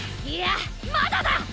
いやまだだ！